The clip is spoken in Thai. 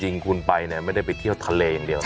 จริงคุณไปเนี่ยไม่ได้ไปเที่ยวทะเลอย่างเดียว